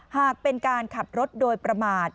หากเป็นการขับรถโดยประมาท